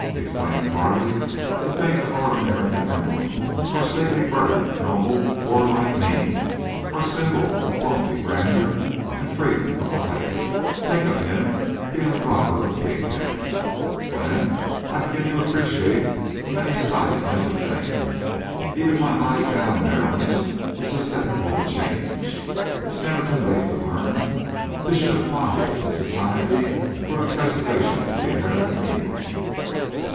exclaimed Carley. "To think of our American emblem—our stately bird of noble warlike mien—our symbol of lonely grandeur and freedom of the heights—think of him being a robber of pigpens!—Glenn, I begin to appreciate the many sidedness of things. Even my hide bound narrowness is susceptible to change. It's never too late to learn. This should apply to the Society for the Preservation of the American Eagle."